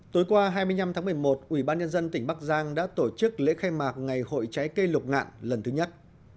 tối qua hai mươi năm tháng một mươi một ủy ban nhân dân tỉnh bắc giang đã tổ chức lễ khai mạc ngày hội trái cây lục ngạn lần thứ nhất